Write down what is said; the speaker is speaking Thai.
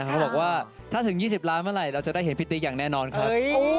เขาบอกว่าถ้าถึง๒๐ล้านเมื่อไหร่เราจะได้เห็นพี่ติ๊กอย่างแน่นอนครับ